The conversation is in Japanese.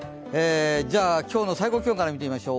今日の最高気温から見てみましょう。